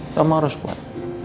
kamu harus kuat